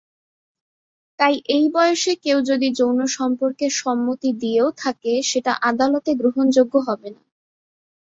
তাই এই বয়সী কেউ যদি যৌন সম্পর্কে সম্মতি দিয়েও থাকে সেটা আদালতে গ্রহণযোগ্য হবে না।